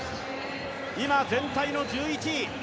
今、全体の１１位。